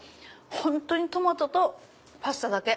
本当にトマトとパスタだけ。